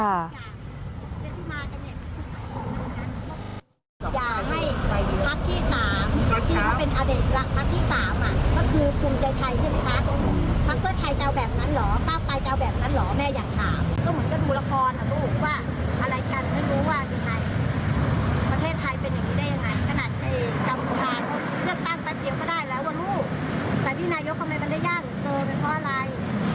มันได้ยากหรือเจอเป็นเพราะอะไร